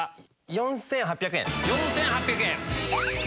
４８００円。